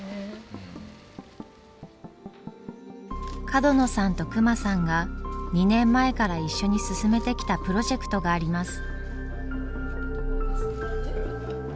角野さんと隈さんが２年前から一緒に進めてきたプロジェクトがあります。